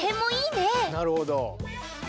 なるほど。